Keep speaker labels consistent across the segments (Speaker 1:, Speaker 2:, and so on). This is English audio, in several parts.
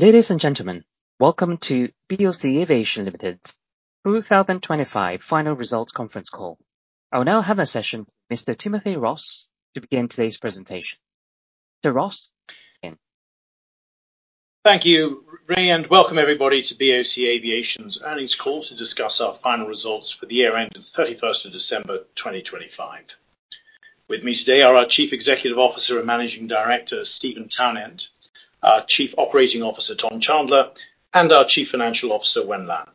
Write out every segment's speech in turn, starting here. Speaker 1: Ladies and gentlemen, welcome to BOC Aviation Limited's 2025 final results conference call. I will now hand the session to Mr. Timothy Ross to begin today's presentation. Mr. Ross, you may begin.
Speaker 2: Thank you, Ray and welcome everybody to BOC Aviation's earnings call to discuss our final results for the year end of 31 December 2025. With me today are our Chief Executive Officer and Managing Director, Steven Townend, our Chief Operating Officer, Tom Chandler and our Chief Financial Officer, Wen Lan.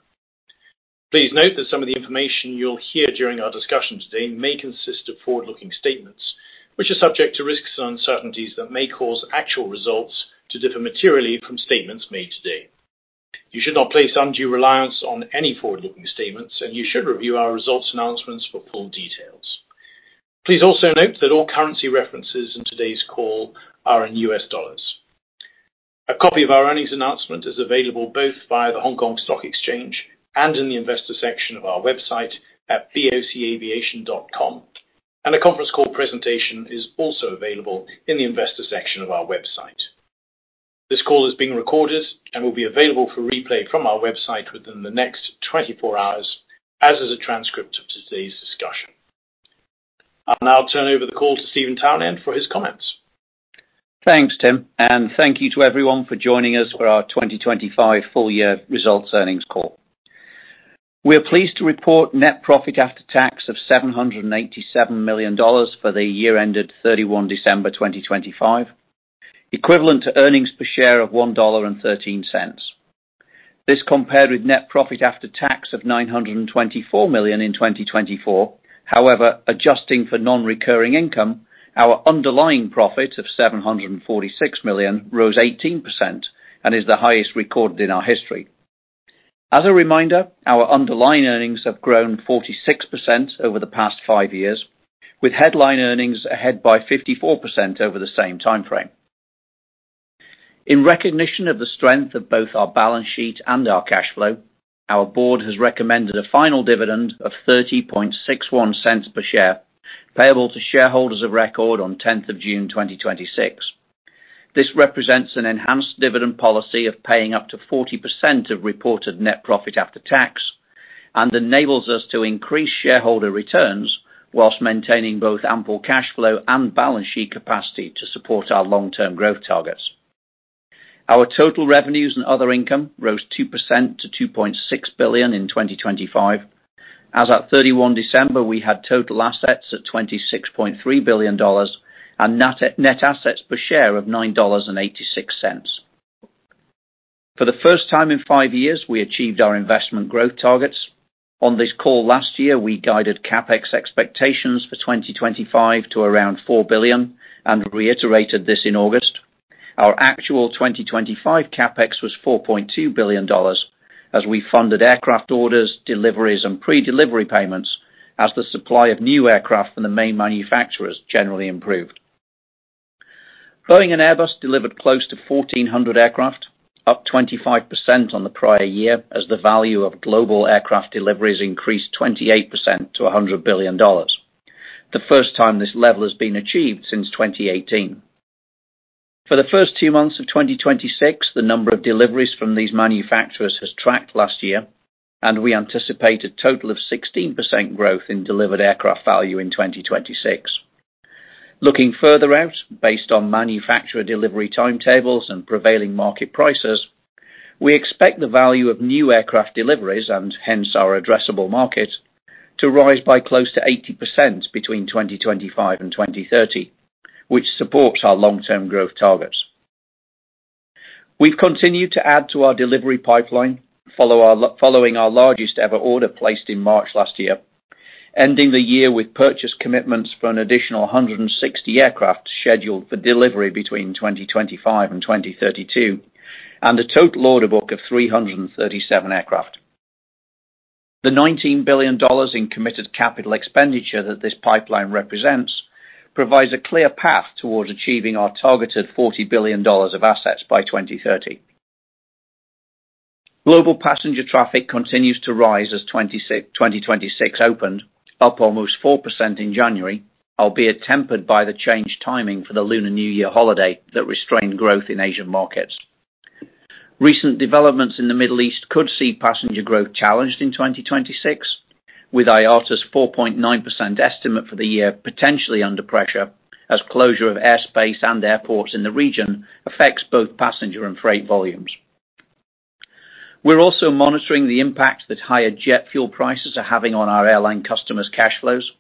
Speaker 2: Please note that some of the information you'll hear during our discussion today may consist of forward-looking statements, which are subject to risks and uncertainties that may cause actual results to differ materially from statements made today. You should not place undue reliance on any forward-looking statements and you should review our results announcements for full details. Please also note that all currency references in today's call are in U.S. dollars. A copy of our earnings announcement is available both via the Hong Kong Stock Exchange and in the investor section of our website at bocaviation.com. A conference call presentation is also available in the investor section of our website. This call is being recorded and will be available for replay from our website within the next 24 hours, as is a transcript of today's discussion. I'll now turn over the call to Steven Townend for his comments.
Speaker 3: Thanks, Tim and thank you to everyone for joining us for our 2025 full year results earnings call. We're pleased to report net profit after tax of $787 million for the year ended 31 December 2025, equivalent to earnings per share of $1.13. This compared with net profit after tax of $924 million in 2024. However, adjusting for non-recurring income, our underlying profit of $746 million rose 18% and is the highest recorded in our history. As a reminder, our underlying earnings have grown 46% over the past five years, with headline earnings ahead by 54% over the same timeframe. In recognition of the strength of both our balance sheet and our cash flow, our board has recommended a final dividend of $0.3061 per share, payable to shareholders of record on tenth of June 2026. This represents an enhanced dividend policy of paying up to 40% of reported net profit after tax and enables us to increase shareholder returns while maintaining both ample cash flow and balance sheet capacity to support our long-term growth targets. Our total revenues and other income rose 2% to $2.6 billion in 2025. As at 31 December, we had total assets at $26.3 billion and net assets per share of $9.86. For the first time in five years, we achieved our investment growth targets. On this call last year, we guided CapEx expectations for 2025 to around $4 billion and reiterated this in August. Our actual 2025 CapEx was $4.2 billion as we funded aircraft orders, deliveries and pre-delivery payments as the supply of new aircraft from the main manufacturers generally improved. Boeing and Airbus delivered close to 1,400 aircraft, up 25% on the prior year as the value of global aircraft deliveries increased 28% to $100 billion. The first time this level has been achieved since 2018. For the first two months of 2026, the number of deliveries from these manufacturers has tracked last year and we anticipate a total of 16% growth in delivered aircraft value in 2026. Looking further out, based on manufacturer delivery timetables and prevailing market prices, we expect the value of new aircraft deliveries and hence our addressable market, to rise by close to 80% between 2025 and 2030, which supports our long-term growth targets. We've continued to add to our delivery pipeline. Following our largest ever order placed in March last year, ending the year with purchase commitments for an additional 160 aircraft scheduled for delivery between 2025 and 2032 and a total order book of 337 aircraft. The $19 billion in committed capital expenditure that this pipeline represents provides a clear path towards achieving our targeted $40 billion of assets by 2030. Global passenger traffic continues to rise as 2026 opened, up almost 4% in January, albeit tempered by the changed timing for the Lunar New Year holiday that restrained growth in Asian markets. Recent developments in the Middle East could see passenger growth challenged in 2026, with IATA's 4.9% estimate for the year potentially under pressure as closure of airspace and airports in the region affects both passenger and freight volumes. We're also monitoring the impact that higher jet fuel prices are having on our airline customers' cash flows.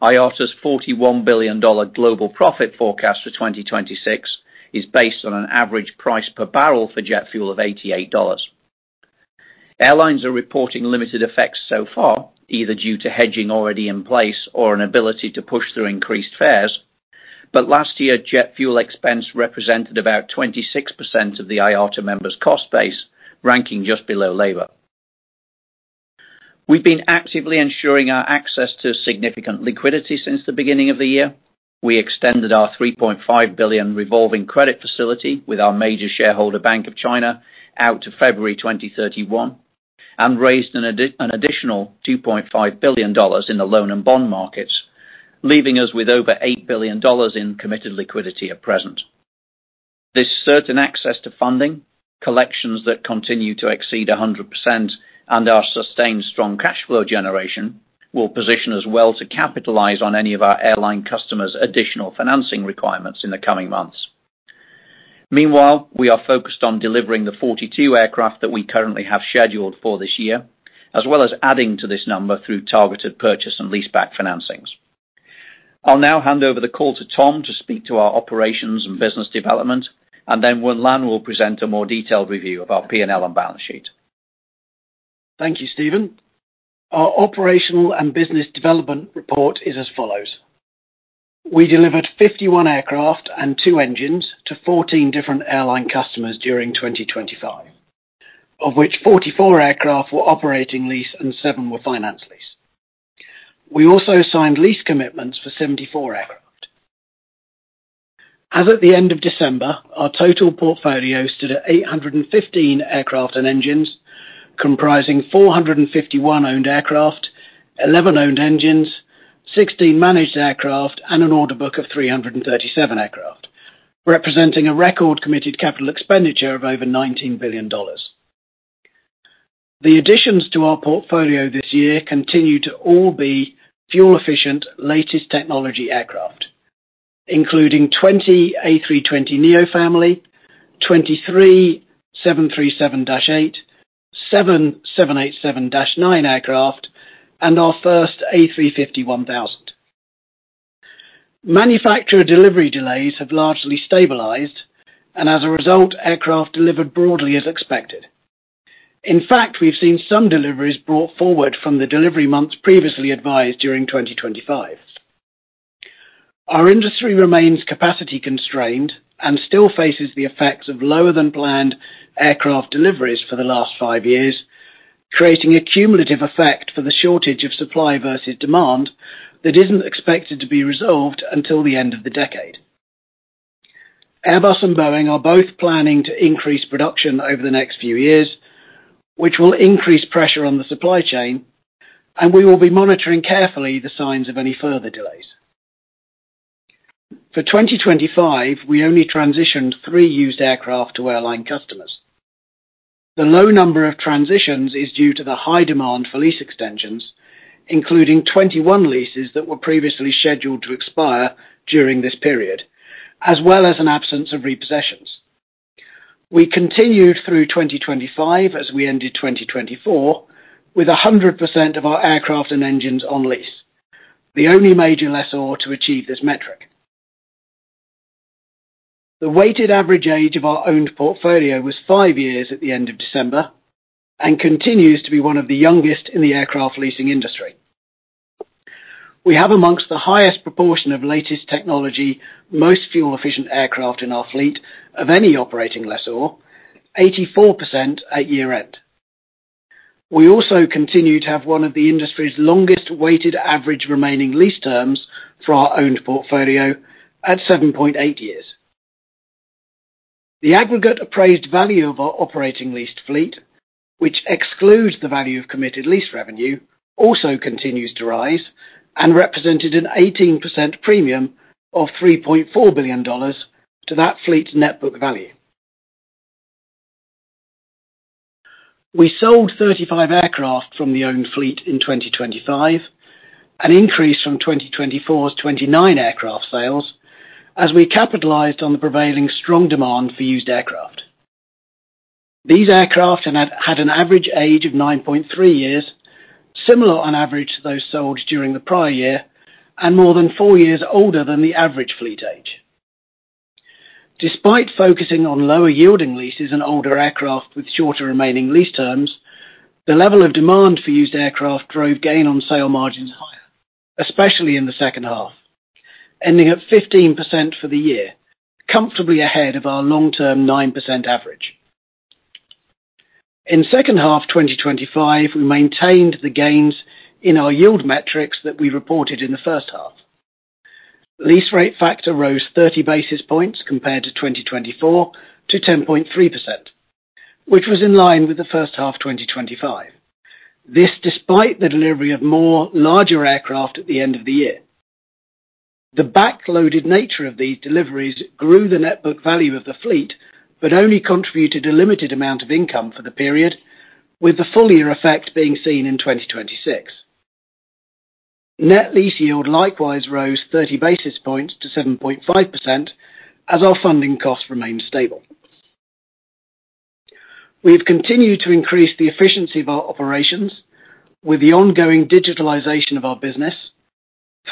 Speaker 3: IATA's $41 billion global profit forecast for 2026 is based on an average price per barrel for jet fuel of $88. Airlines are reporting limited effects so far, either due to hedging already in place or an ability to push through increased fares. Last year, jet fuel expense represented about 26% of the IATA members' cost base, ranking just below labor. We've been actively ensuring our access to significant liquidity since the beginning of the year. We extended our $3.5 billion revolving credit facility with our major shareholder, Bank of China, out to February 2031. We raised an additional $2.5 billion in the loan and bond markets, leaving us with over $8 billion in committed liquidity at present. This certain access to funding, collections that continue to exceed 100% and our sustained strong cash flow generation, will position us well to capitalize on any of our airline customers' additional financing requirements in the coming months. Meanwhile, we are focused on delivering the 42 aircraft that we currently have scheduled for this year, as well as adding to this number through targeted purchase and leaseback financings. I'll now hand over the call to Tom to speak to our operations and business development and then Wen Lan will present a more detailed review of our P&L and balance sheet.
Speaker 4: Thank you, Steven. Our operational and business development report is as follows: We delivered 51 aircraft and two engines to 14 different airline customers during 2025, of which 44 aircraft were operating lease and seven were finance lease. We also signed lease commitments for 74 aircraft. As at the end of December, our total portfolio stood at 815 aircraft and engines comprising 451 owned aircraft, 11 owned engines, 16 managed aircraft and an order book of 337 aircraft, representing a record committed capital expenditure of over $19 billion. The additions to our portfolio this year continue to all be fuel efficient, latest technology aircraft, including 20 A320neo family, 23 737-8, 7 787-9 aircraft and our first A350-1000. Manufacturer delivery delays have largely stabilized and as a result, aircraft delivered broadly as expected. In fact, we've seen some deliveries brought forward from the delivery months previously advised during 2025. Our industry remains capacity constrained and still faces the effects of lower than planned aircraft deliveries for the last five years, creating a cumulative effect for the shortage of supply versus demand that isn't expected to be resolved until the end of the decade. Airbus and Boeing are both planning to increase production over the next few years, which will increase pressure on the supply chain and we will be monitoring carefully the signs of any further delays. For 2025, we only transitioned three used aircraft to airline customers. The low number of transitions is due to the high demand for lease extensions, including 21 leases that were previously scheduled to expire during this period, as well as an absence of repossessions. We continued through 2025, as we ended 2024, with 100% of our aircraft and engines on lease. The only major lessor to achieve this metric. The weighted average age of our owned portfolio was five years at the end of December and continues to be one of the youngest in the aircraft leasing industry. We have among the highest proportion of latest technology, most fuel efficient aircraft in our fleet of any operating lessor, 84% at year-end. We also continue to have one of the industry's longest weighted average remaining lease terms for our owned portfolio at 7.8 years. The aggregate appraised value of our operating leased fleet, which excludes the value of committed lease revenue, also continues to rise and represented an 18% premium of $3.4 billion to that fleet's net book value. We sold 35 aircraft from the owned fleet in 2025, an increase from 2024's 29 aircraft sales, as we capitalized on the prevailing strong demand for used aircraft. These aircraft had an average age of 9.3 years, similar on average to those sold during the prior year and more than four years older than the average fleet age. Despite focusing on lower yielding leases and older aircraft with shorter remaining lease terms, the level of demand for used aircraft drove gain on sale margins higher, especially in the second half, ending at 15% for the year, comfortably ahead of our long-term 9% average. In second half 2025, we maintained the gains in our yield metrics that we reported in the first half. Lease rate factor rose 30 basis points compared to 2024 to 10.3%, which was in line with the first half 2025. This despite the delivery of more larger aircraft at the end of the year. The back-loaded nature of these deliveries grew the net book value of the fleet but only contributed a limited amount of income for the period, with the full year effect being seen in 2026. Net lease yield likewise rose 30 basis points to 7.5% as our funding costs remained stable. We have continued to increase the efficiency of our operations with the ongoing digitalization of our business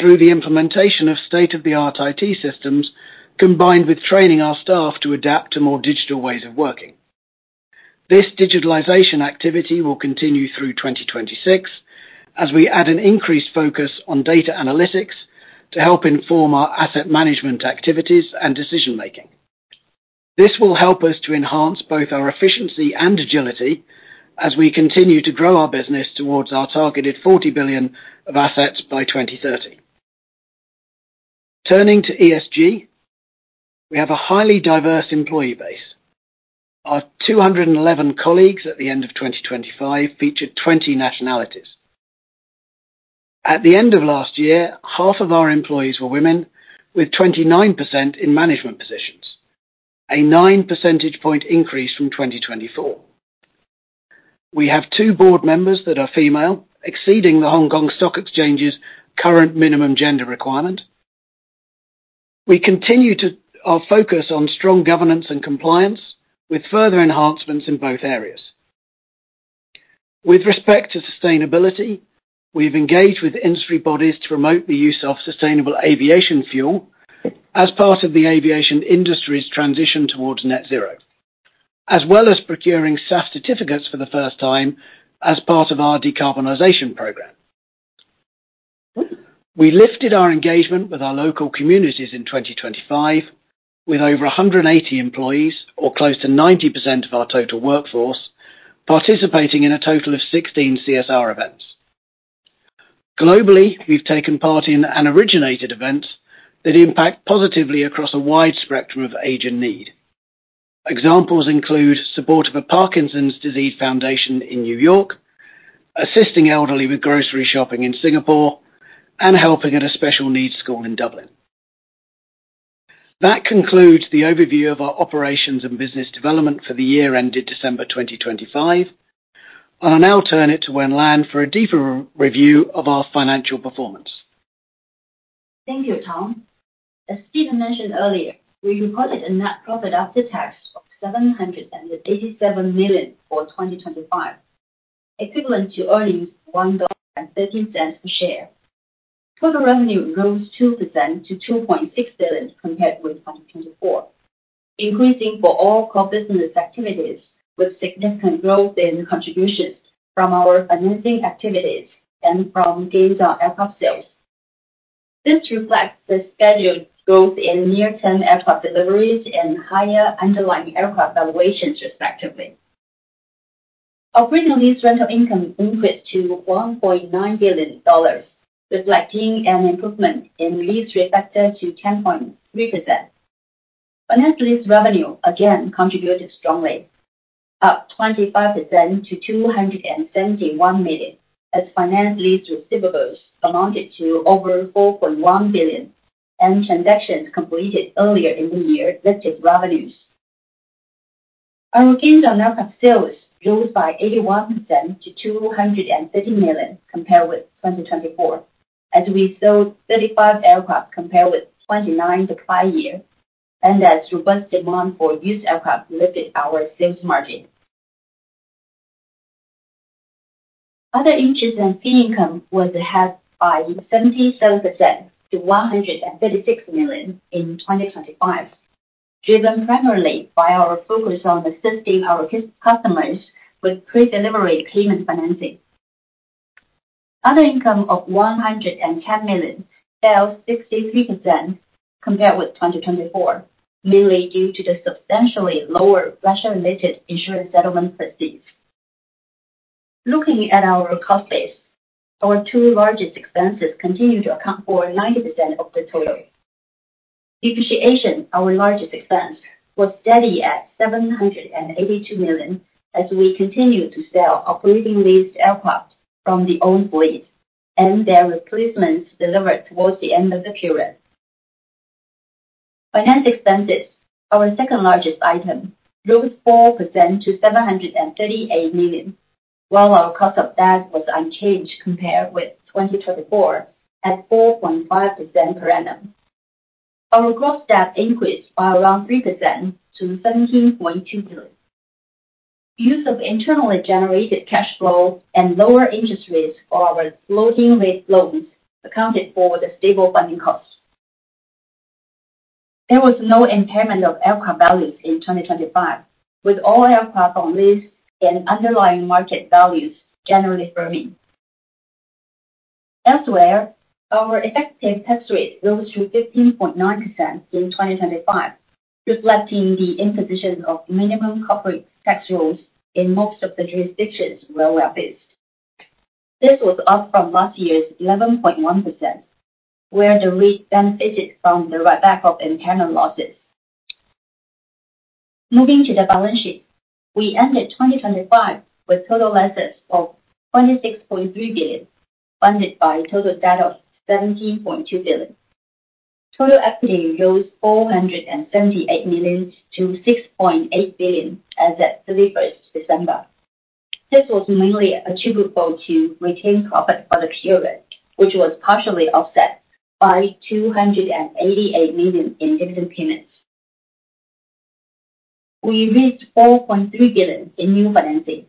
Speaker 4: through the implementation of state-of-the-art IT systems, combined with training our staff to adapt to more digital ways of working. This digitalization activity will continue through 2026 as we add an increased focus on data analytics to help inform our asset management activities and decision-making. This will help us to enhance both our efficiency and agility as we continue to grow our business towards our targeted $40 billion of assets by 2030. Turning to ESG, we have a highly diverse employee base. Our 211 colleagues at the end of 2025 featured 20 nationalities. At the end of last year, half of our employees were women, with 29% in management positions, a 9 percentage point increase from 2024. We have two board members that are female, exceeding the Hong Kong Stock Exchange's current minimum gender requirement. We continue to focus on strong governance and compliance with further enhancements in both areas. With respect to sustainability, we've engaged with industry bodies to promote the use of sustainable aviation fuel as part of the aviation industry's transition towards net zero, as well as procuring SAF certificates for the first time as part of our decarbonization program. We lifted our engagement with our local communities in 2025, with over 180 employees or close to 90% of our total workforce, participating in a total of 16 CSR events. Globally, we've taken part in and originated events that impact positively across a wide spectrum of age and need. Examples include support of a Parkinson's disease foundation in New York, assisting elderly with grocery shopping in Singapore and helping at a special needs school in Dublin. That concludes the overview of our operations and business development for the year ended December 2025. I'll now turn it to Wen Lan for a deeper review of our financial performance.
Speaker 5: Thank you, Tom. As Steven mentioned earlier, we recorded a net profit after tax of $787 million for 2025, equivalent to earnings of $1.30 per share. Total revenue rose 2% to $2.6 billion compared with 2024, increasing for all core business activities, with significant growth in contributions from our financing activities and from gains on aircraft sales. This reflects the scheduled growth in near-term aircraft deliveries and higher underlying aircraft valuations respectively. Operating lease rental income increased to $1.9 billion, reflecting an improvement in lease rate factor to 10.3%. Finance lease revenue again contributed strongly, up 25% to $271 million, as finance lease receivables amounted to over $4.1 billion and transactions completed earlier in the year lifted revenues. Our gains on aircraft sales rose by 81% to $230 million compared with 2024, as we sold 35 aircraft compared with 29 the prior year and as robust demand for used aircraft lifted our sales margin. Other interest and fee income was ahead by 77% to $136 million in 2025, driven primarily by our focus on assisting our customers with pre-delivery payment financing. Other income of $110 million fell 63% compared with 2024, mainly due to the substantially lower Russia-related insurance settlement received. Looking at our cost base, our two largest expenses continue to account for 90% of the total. Depreciation, our largest expense, was steady at $782 million as we continued to sell operating leased aircraft from the owned fleet and their replacements delivered towards the end of the period. Finance expenses, our second-largest item, rose 4% to $738 million, while our cost of debt was unchanged compared with 2024 at 4.5% per annum. Our gross debt increased by around 3% to $17.2 billion. Use of internally generated cash flow and lower interest rates for our floating rate loans accounted for the stable funding costs. There was no impairment of aircraft values in 2025, with all aircraft on lease and underlying market values generally firming. Elsewhere, our effective tax rate rose to 15.9% in 2025, reflecting the imposition of minimum corporate tax rules in most of the jurisdictions where we're based. This was up from last year's 11.1%, where the rate benefited from the write-back of internal losses. Moving to the balance sheet, we ended 2025 with total assets of $26.3 billion, funded by total debt of $17.2 billion. Total equity rose $478 million to $6.8 billion as at 31 December. This was mainly attributable to retained profit for the period, which was partially offset by $288 million in dividend payments. We raised $4.3 billion in new financing,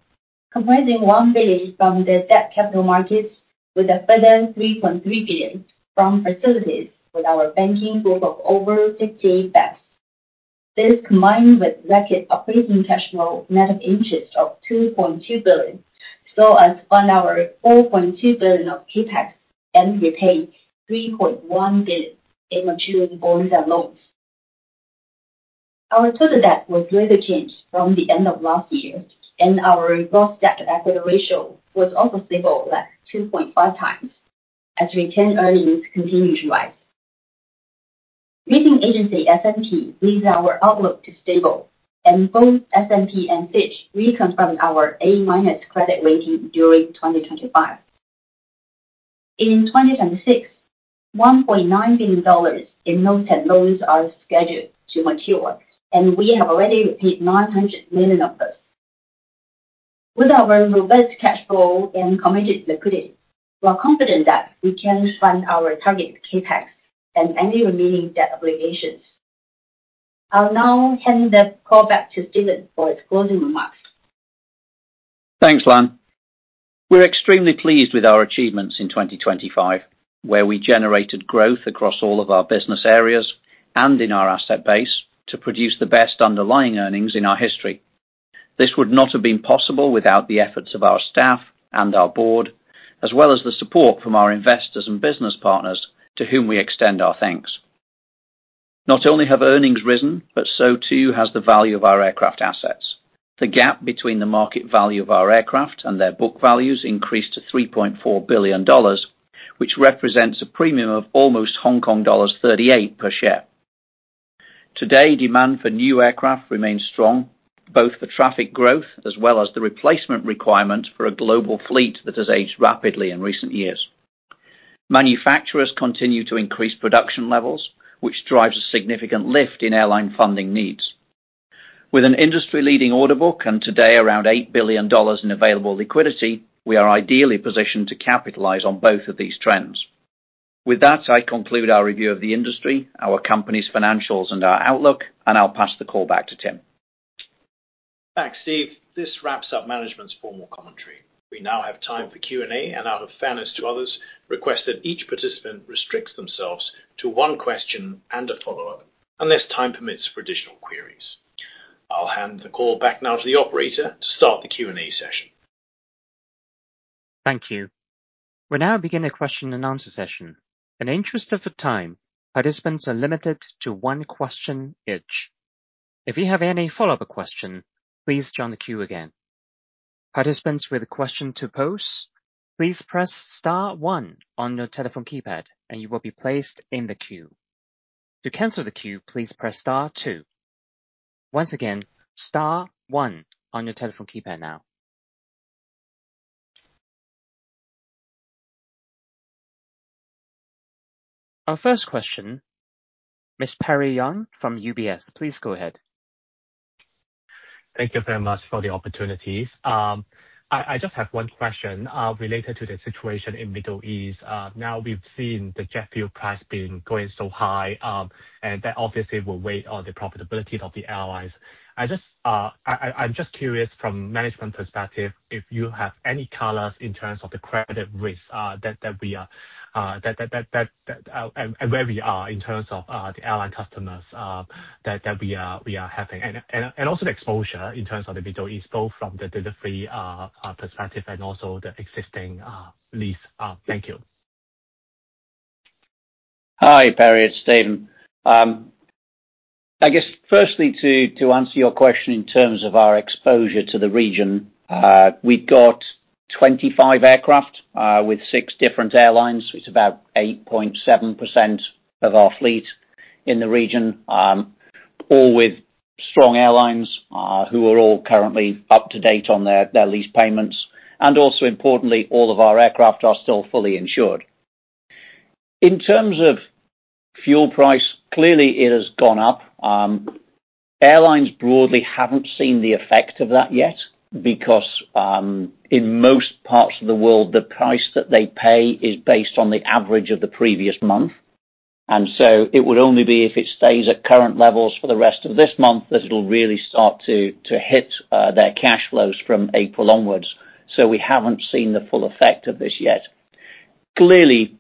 Speaker 5: comprising $1 billion from the debt capital markets, with a further $3.3 billion from facilities with our banking group of over 60 banks. This, combined with record operating cash flow net of interest of $2.2 billion, saw us fund our $4.2 billion of CapEx and repay $3.1 billion in maturing bonds and loans. Our total debt was little changed from the end of last year and our gross debt to EBITDA ratio was also stable at 2.5 times as retained earnings continued to rise. Rating agency S&P leaves our outlook to stable and both S&P and Fitch reconfirmed our A- credit rating during 2025. In 2026, $1.9 billion in notes and loans are scheduled to mature and we have already paid $900 million of those. With our robust cash flow and committed liquidity, we are confident that we can fund our target CapEx and any remaining debt obligations. I'll now hand the call back to Steven for his closing remarks.
Speaker 3: Thanks, Lan. We're extremely pleased with our achievements in 2025, where we generated growth across all of our business areas and in our asset base to produce the best underlying earnings in our history. This would not have been possible without the efforts of our staff and our board, as well as the support from our investors and business partners to whom we extend our thanks. Not only have earnings risen but so too has the value of our aircraft assets. The gap between the market value of our aircraft and their book values increased to $3.4 billion, which represents a premium of almost Hong Kong dollars 38 per share. Today, demand for new aircraft remains strong, both for traffic growth as well as the replacement requirement for a global fleet that has aged rapidly in recent years. Manufacturers continue to increase production levels, which drives a significant lift in airline funding needs. With an industry-leading order book and today around $8 billion in available liquidity, we are ideally positioned to capitalize on both of these trends. With that, I conclude our review of the industry, our company's financials and our outlook and I'll pass the call back to Tim.
Speaker 2: Thanks, Steve. This wraps up management's formal commentary. We now have time for Q&A and out of fairness to others, request that each participant restricts themselves to one question and a follow-up, unless time permits for additional queries. I'll hand the call back now to the operator to start the Q&A session.
Speaker 1: Thank you. We're now beginning a question and answer session. In the interest of time, participants are limited to one question each. If you have any follow-up question, please join the queue again. Participants with a question to pose, please press star one on your telephone keypad and you will be placed in the queue. To cancel the queue, please press star two. Once again, star one on your telephone keypad now. Our first question, Ms. Perry Yeung from UBS, please go ahead.
Speaker 6: Thank you very much for the opportunities. I just have one question related to the situation in Middle East. Now we've seen the jet fuel price been going so high and that obviously will weigh on the profitability of the airlines. I'm just curious from management perspective, if you have any colors in terms of the credit risk that we are and where we are in terms of the airline customers that we are having. Also the exposure in terms of the Middle East, both from the delivery perspective and also the existing lease. Thank you.
Speaker 3: Hi, Perry. It's Steven. I guess firstly to answer your question in terms of our exposure to the region. We've got 25 aircraft with six different airlines. It's about 8.7% of our fleet in the region, all with strong airlines, who are all currently up to date on their lease payments. Importantly, all of our aircraft are still fully insured. In terms of fuel price, clearly it has gone up. Airlines broadly haven't seen the effect of that yet because, in most parts of the world, the price that they pay is based on the average of the previous month. It would only be if it stays at current levels for the rest of this month that it'll really start to hit their cash flows from April onwards. We haven't seen the full effect of this yet. Clearly,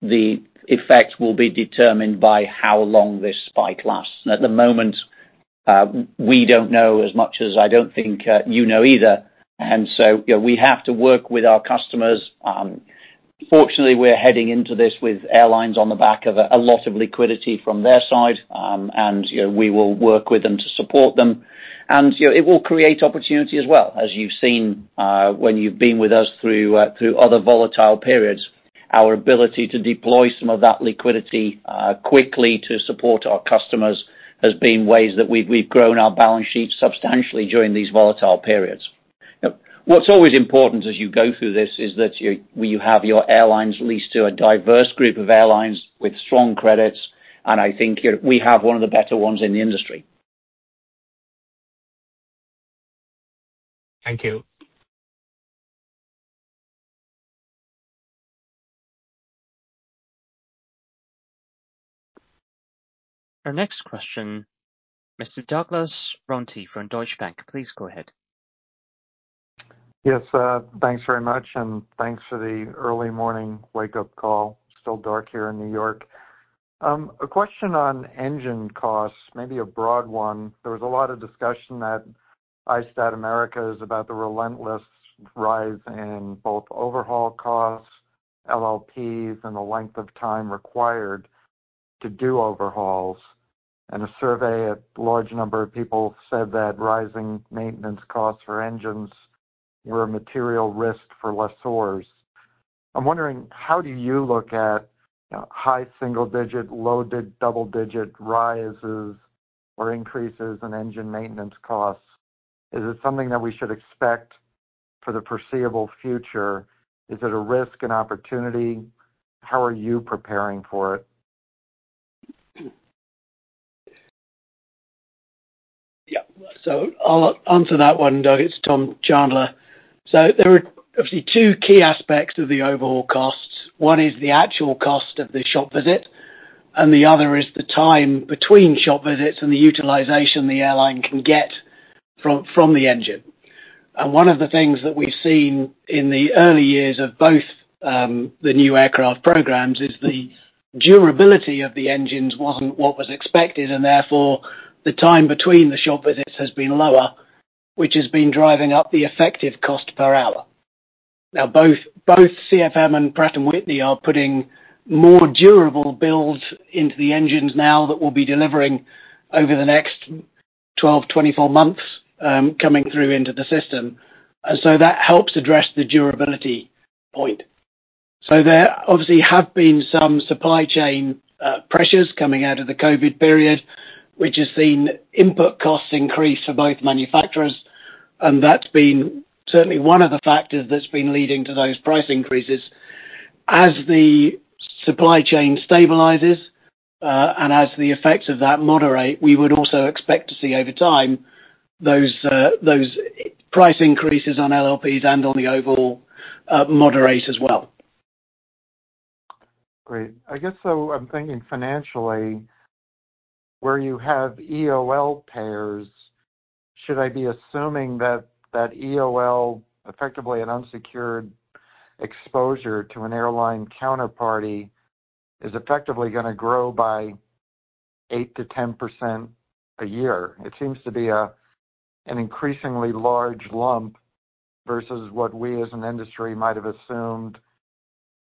Speaker 3: the effect will be determined by how long this spike lasts. At the moment, we don't know as much as I don't think, you know either. You know, we have to work with our customers. Fortunately, we're heading into this with airlines on the back of a lot of liquidity from their side. You know, we will work with them to support them. You know, it will create opportunity as well. As you've seen, when you've been with us through other volatile periods. Our ability to deploy some of that liquidity quickly to support our customers has been ways that we've grown our balance sheet substantially during these volatile periods. What's always important as you go through this is that you have your airlines leased to a diverse group of airlines with strong credits. I think we have one of the better ones in the industry.
Speaker 6: Thank you.
Speaker 1: Our next question, Mr. Douglas Runte from Deutsche Bank. Please go ahead.
Speaker 7: Yes, thanks very much and thanks for the early morning wake-up call. Still dark here in New York. A question on engine costs, maybe a broad one. There was a lot of discussion at ISTAT Americas is about the relentless rise in both overhaul costs, LLPs and the length of time required to do overhauls. A survey, a large number of people said that rising maintenance costs for engines were a material risk for lessors. I'm wondering, how do you look at, you know, high single-digit, low- to double-digit rises or increases in engine maintenance costs? Is it something that we should expect for the foreseeable future? Is it a risk, an opportunity? How are you preparing for it?
Speaker 4: Yeah. I'll answer that one, Doug. It's Tom Chandler. There are obviously two key aspects to the overhaul costs. One is the actual cost of the shop visit and the other is the time between shop visits and the utilization the airline can get from the engine. One of the things that we've seen in the early years of both the new aircraft programs is the durability of the engines wasn't what was expected and therefore, the time between the shop visits has been lower, which has been driving up the effective cost per hour. Now, both CFM and Pratt & Whitney are putting more durable builds into the engines now that we'll be delivering over the next 12, 24 months, coming through into the system. That helps address the durability point. There obviously have been some supply chain pressures coming out of the COVID period, which has seen input costs increase for both manufacturers and that's been certainly one of the factors that's been leading to those price increases. As the supply chain stabilizes and as the effects of that moderate, we would also expect to see over time those price increases on LLPs and on the overall moderate as well.
Speaker 7: Great. I guess I'm thinking financially, where you have EOL payers, should I be assuming that EOL, effectively an unsecured exposure to an airline counterparty, is effectively gonna grow by 8%-10% a year? It seems to be an increasingly large lump versus what we as an industry might have assumed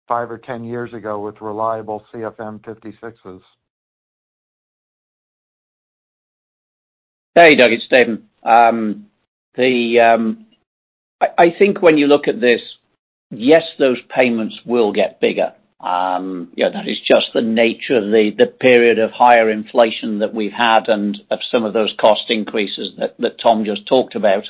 Speaker 7: five or 10 years ago with reliable CFM56s.
Speaker 3: Hey, Doug, it's Steven. I think when you look at this, yes, those payments will get bigger. You know, that is just the nature of the period of higher inflation that we've had and of some of those cost increases that Tom just talked about.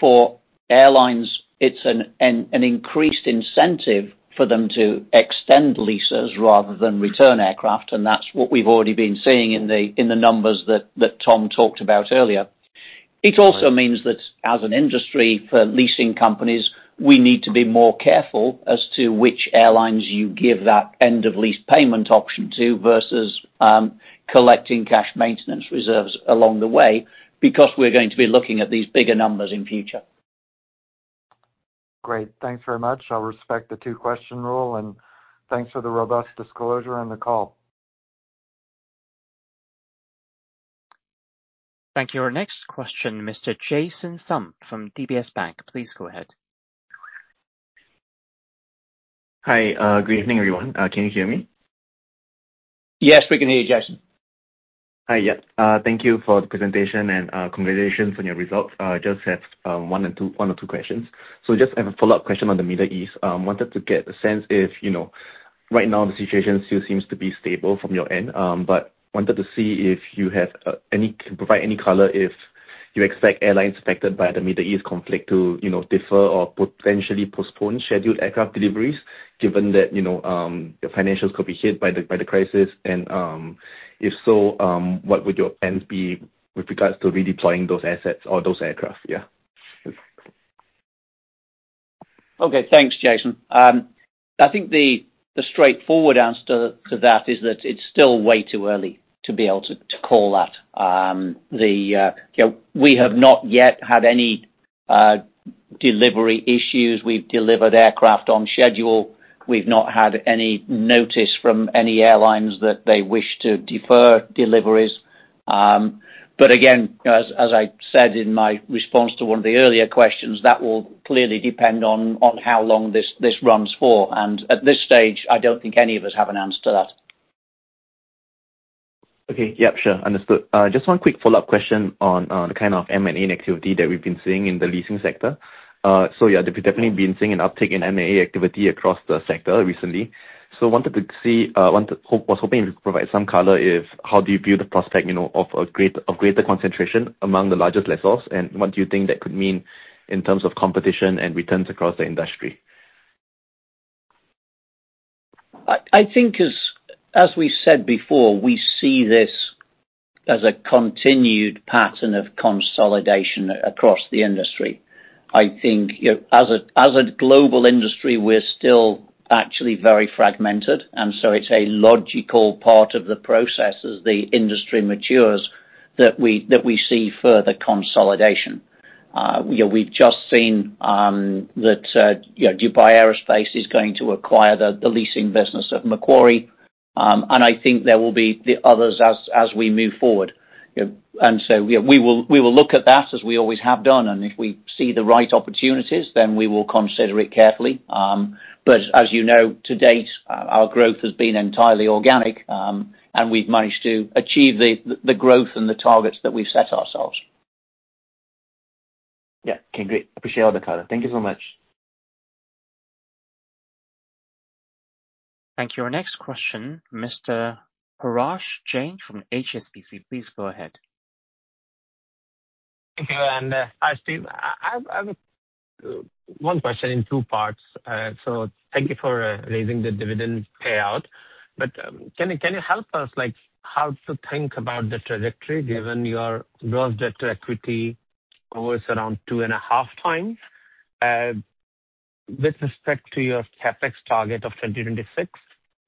Speaker 3: For airlines, it's an increased incentive for them to extend leases rather than return aircraft and that's what we've already been seeing in the numbers that Tom talked about earlier. It also means that as an industry for leasing companies, we need to be more careful as to which airlines you give that end of lease payment option to versus collecting cash maintenance reserves along the way, because we're going to be looking at these bigger numbers in future.
Speaker 7: Great. Thanks very much. I'll respect the two-question rule and thanks for the robust disclosure on the call.
Speaker 1: Thank you. Our next question, Mr. Jason Sum from DBS Bank. Please go ahead.
Speaker 8: Hi. Good evening, everyone. Can you hear me?
Speaker 3: Yes, we can hear you, Jason.
Speaker 8: Hi. Yeah. Thank you for the presentation and congratulations on your results. Just have one or two questions. Just have a follow-up question on the Middle East. Wanted to get a sense if, you know, right now the situation still seems to be stable from your end but wanted to see if you can provide any color if you expect airlines affected by the Middle East conflict to, you know, defer or potentially postpone scheduled aircraft deliveries given that, you know, your financials could be hit by the crisis. If so, what would your plans be with regards to redeploying those assets or those aircraft? Yeah.
Speaker 3: Okay. Thanks, Jason. I think the straightforward answer to that is that it's still way too early to be able to call that. You know, we have not yet had any delivery issues. We've delivered aircraft on schedule. We've not had any notice from any airlines that they wish to defer deliveries. But again, as I said in my response to one of the earlier questions, that will clearly depend on how long this runs for. At this stage, I don't think any of us have an answer to that.
Speaker 8: Okay. Yep. Sure. Understood. Just one quick follow-up question on the kind of M&A activity that we've been seeing in the leasing sector. Yeah, we've definitely been seeing an uptick in M&A activity across the sector recently. Was hoping you could provide some color on how you view the prospect, you know, of greater concentration among the largest lessors and what do you think that could mean in terms of competition and returns across the industry?
Speaker 3: I think as we said before, we see this as a continued pattern of consolidation across the industry. I think, you know, as a global industry, we're still actually very fragmented and so it's a logical part of the process as the industry matures that we see further consolidation. You know, we've just seen that Dubai Aerospace Enterprise is going to acquire the leasing business of Macquarie Group. I think there will be the others as we move forward, you know. We will look at that as we always have done and if we see the right opportunities, then we will consider it carefully. As you know, to date, our growth has been entirely organic and we've managed to achieve the growth and the targets that we've set ourselves.
Speaker 8: Yeah. Okay, great. Appreciate all the color. Thank you so much.
Speaker 1: Thank you. Our next question, Mr. Parash Jain from HSBC, please go ahead.
Speaker 9: Thank you. Hi, Steve. I have one question in two parts. Thank you for raising the dividend payout. Can you help us, like, how to think about the trajectory given your gross debt to equity around 2.5 times, with respect to your CapEx target of 2026?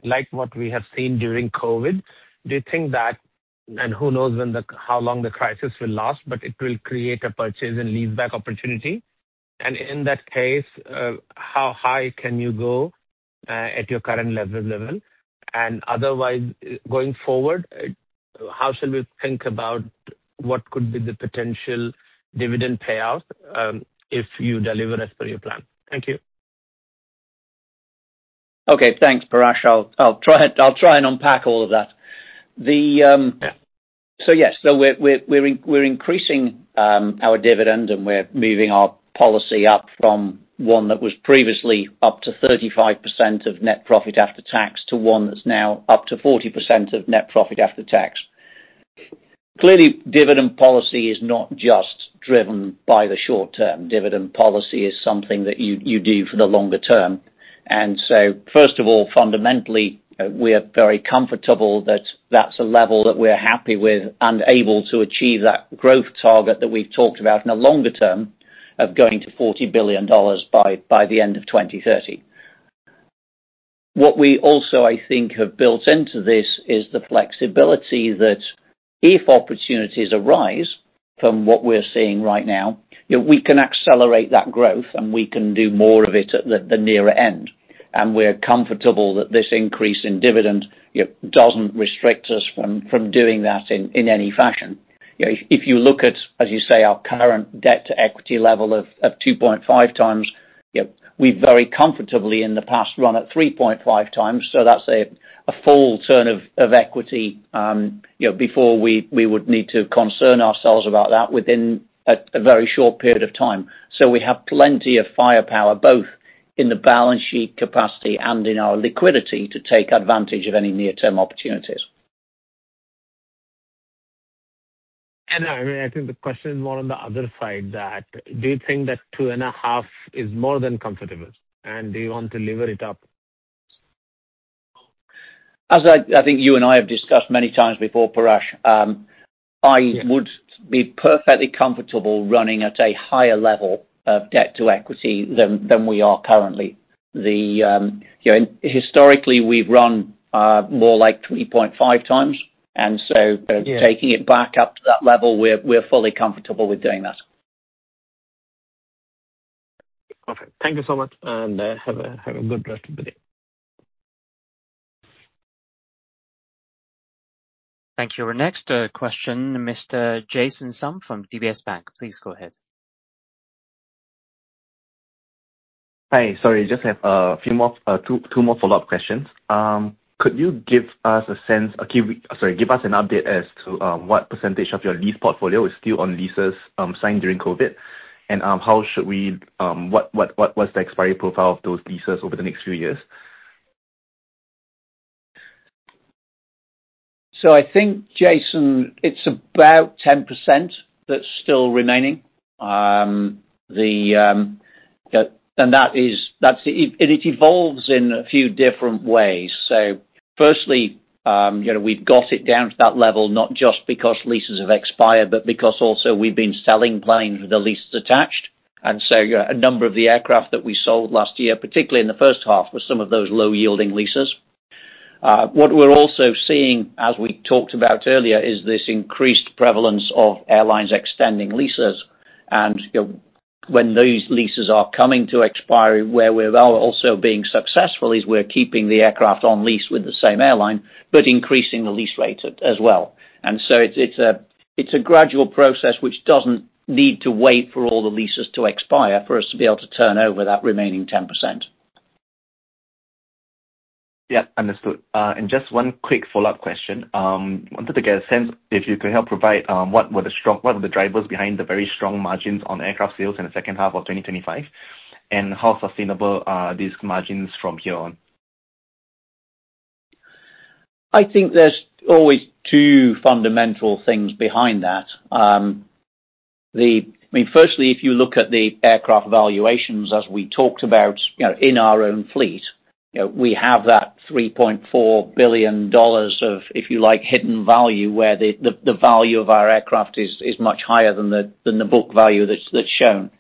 Speaker 9: Like what we have seen during COVID, do you think that who knows how long the crisis will last but it will create a purchase and leaseback opportunity. In that case, how high can you go at your current level? Otherwise, going forward, how shall we think about what could be the potential dividend payout if you deliver as per your plan? Thank you.
Speaker 3: Okay. Thanks, Parash. I'll try and unpack all of that. We're increasing our dividend and we're moving our policy up from one that was previously up to 35% of net profit after tax to one that's now up to 40% of net profit after tax. Clearly, dividend policy is not just driven by the short term. Dividend policy is something that you do for the longer term. First of all, fundamentally, we are very comfortable that that's a level that we're happy with and able to achieve that growth target that we've talked about in the longer term of going to $40 billion by the end of 2030. What we also, I think, have built into this is the flexibility that if opportunities arise from what we're seeing right now, you know, we can accelerate that growth and we can do more of it at the nearer end. We're comfortable that this increase in dividend, you know, doesn't restrict us from doing that in any fashion. You know, if you look at, as you say, our current debt to equity level of 2.5 times, you know, we very comfortably in the past run at 3.5 times, so that's a full turn of equity, you know, before we would need to concern ourselves about that within a very short period of time. We have plenty of firepower, both in the balance sheet capacity and in our liquidity to take advantage of any near-term opportunities.
Speaker 9: I think the question is more on the other side, that do you think that 2.5 is more than comfortable? Do you want to lever it up?
Speaker 3: As I think you and I have discussed many times before, Parash. I would be perfectly comfortable running at a higher level of debt to equity than we are currently. You know, historically, we've run more like 3.5 times. Taking it back up to that level, we're fully comfortable with doing that.
Speaker 9: Okay. Thank you so much. Have a good rest of the day.
Speaker 1: Thank you. Our next question, Mr. Jason Sum from DBS Bank, please go ahead.
Speaker 8: Hi. Sorry, I just have a few more, two more follow-up questions. Could you give us an update as to what percentage of your lease portfolio is still on leases signed during COVID? And what's the expiry profile of those leases over the next few years?
Speaker 3: I think, Jason, it's about 10% that's still remaining. It evolves in a few different ways. Firstly, you know, we've got it down to that level, not just because leases have expired but because also we've been selling planes with the leases attached. You know, a number of the aircraft that we sold last year, particularly in the first half, were some of those low-yielding leases. What we're also seeing, as we talked about earlier, is this increased prevalence of airlines extending leases. You know, when those leases are coming to expiry, where we're also being successful is we're keeping the aircraft on lease with the same airline but increasing the lease rates as well. It's a gradual process which doesn't need to wait for all the leases to expire for us to be able to turn over that remaining 10%.
Speaker 8: Yeah, understood. Just one quick follow-up question. Wanted to get a sense, if you could help provide, what are the drivers behind the very strong margins on aircraft sales in the second half of 2025? How sustainable are these margins from here on?
Speaker 3: I think there's always two fundamental things behind that. Firstly, if you look at the aircraft valuations, as we talked about, you know, in our own fleet, you know, we have that $3.4 billion of, if you like, hidden value, where the value of our aircraft is much higher than the book value that's shown.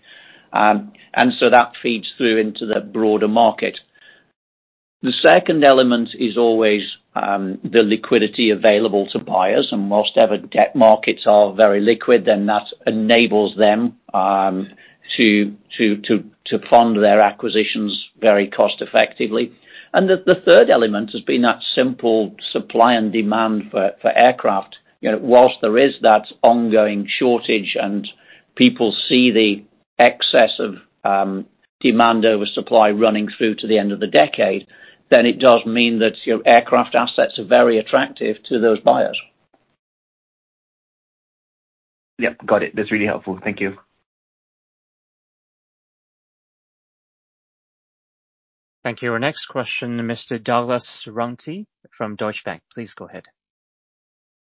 Speaker 3: That feeds through into the broader market. The second element is always the liquidity available to buyers and most of the debt markets are very liquid and that enables them to fund their acquisitions very cost effectively. The third element has been that simple supply and demand for aircraft. You know, while there is that ongoing shortage and people see the excess of demand over supply running through to the end of the decade, then it does mean that your aircraft assets are very attractive to those buyers.
Speaker 8: Yep, got it. That's really helpful. Thank you.
Speaker 1: Thank you. Our next question, Mr. Douglas Runte from Deutsche Bank. Please go ahead.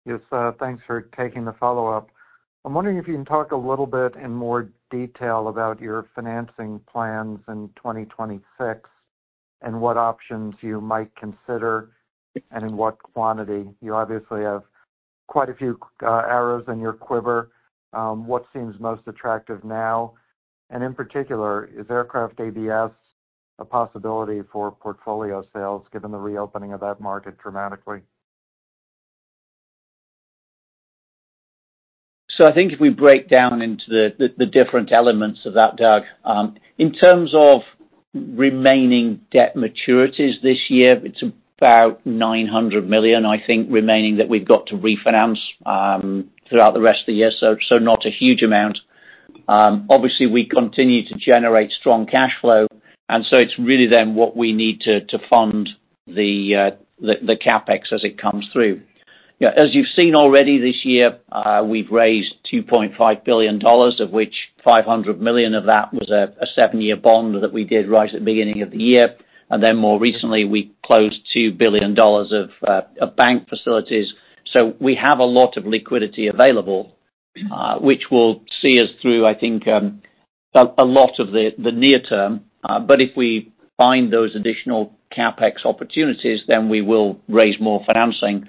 Speaker 7: Yes. Thanks for taking the follow-up. I'm wondering if you can talk a little bit in more detail about your financing plans in 2026 and what options you might consider and in what quantity. You obviously have quite a few arrows in your quiver. What seems most attractive now? In particular, is aircraft ABS a possibility for portfolio sales given the reopening of that market dramatically?
Speaker 3: I think if we break down into the different elements of that, Douglas, in terms of remaining debt maturities this year, it's about $900 million, I think, remaining that we've got to refinance, throughout the rest of the year, not a huge amount. Obviously we continue to generate strong cash flow and it's really then what we need to fund the CapEx as it comes through. You know, as you've seen already this year, we've raised $2.5 billion, of which $500 million of that was a seven-year bond that we did right at the beginning of the year. More recently, we closed $2 billion of bank facilities. We have a lot of liquidity available, which will see us through, I think, a lot of the near term. If we find those additional CapEx opportunities, then we will raise more financing.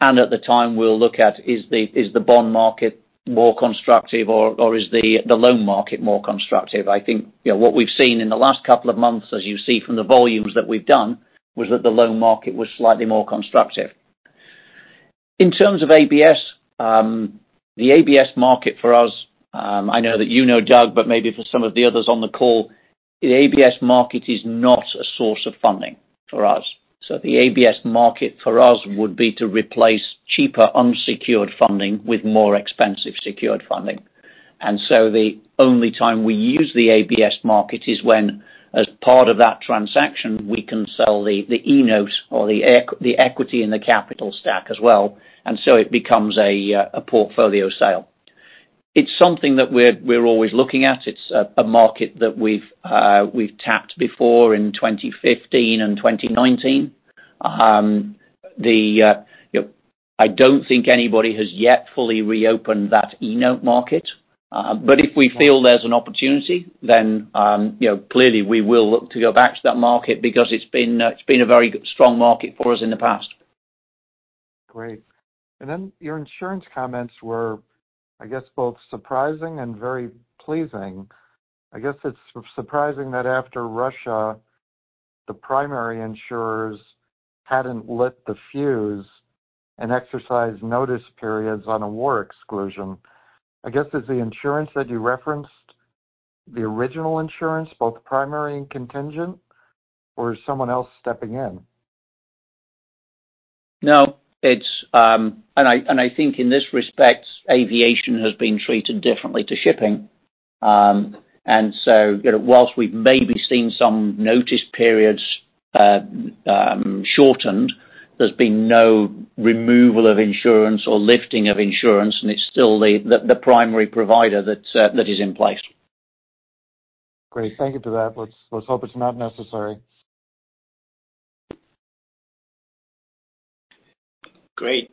Speaker 3: At the time, we'll look at is the bond market more constructive or is the loan market more constructive? I think, you know, what we've seen in the last couple of months, as you see from the volumes that we've done, was that the loan market was slightly more constructive. In terms of ABS, the ABS market for us, I know that you know, Douglas but maybe for some of the others on the call, the ABS market is not a source of funding for us. The ABS market for us would be to replace cheaper unsecured funding with more expensive secured funding. The only time we use the ABS market is when, as part of that transaction, we can sell the E-notes or the equity in the capital stack as well and it becomes a portfolio sale. It's something that we're always looking at. It's a market that we've tapped before in 2015 and 2019. You know, I don't think anybody has yet fully reopened that E-note market. If we feel there's an opportunity, then you know, clearly we will look to go back to that market because it's been a very strong market for us in the past.
Speaker 7: Great. Your insurance comments were, I guess, both surprising and very pleasing. I guess it's surprising that after Russia, the primary insurers hadn't lit the fuse and exercise notice periods on a war exclusion. I guess is the insurance that you referenced the original insurance, both primary and contingent or is someone else stepping in?
Speaker 3: No. It's, I think in this respect, aviation has been treated differently to shipping. You know, while we've maybe seen some notice periods shortened, there's been no removal of insurance or lifting of insurance and it's still the primary provider that is in place.
Speaker 7: Great. Thank you for that. Let's hope it's not necessary.
Speaker 2: Great.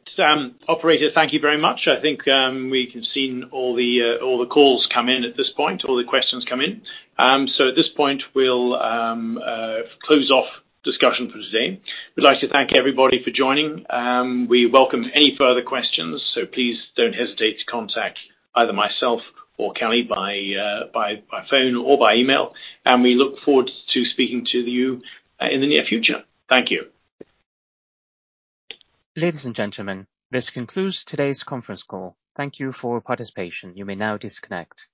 Speaker 2: Operator, thank you very much. I think, we have seen all the calls come in at this point, all the questions come in. At this point, we'll close off discussion for today. We'd like to thank everybody for joining. We welcome any further questions, so please don't hesitate to contact either myself or Kelly by phone or by email. We look forward to speaking to you in the near future. Thank you.
Speaker 1: Ladies and gentlemen, this concludes today's conference call. Thank you for participation. You may now disconnect.